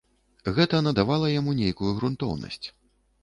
Гэта надавала яму нейкую грунтоўнасць.